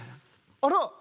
あら？